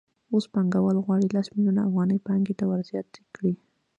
اوس پانګوال غواړي لس میلیونه افغانۍ پانګې ته ورزیاتې کړي